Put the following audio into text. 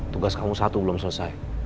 tugas kamu satu belum selesai